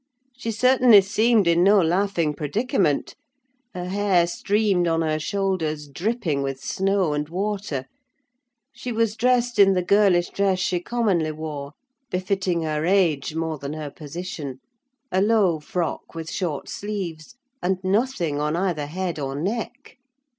She certainly seemed in no laughing predicament: her hair streamed on her shoulders, dripping with snow and water; she was dressed in the girlish dress she commonly wore, befitting her age more than her position: a low frock with short sleeves, and nothing on either head or neck.